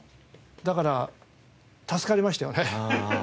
だから助かりましたよね。